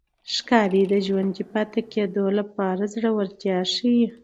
ښکاري د ژوندي پاتې کېدو لپاره زړورتیا ښيي.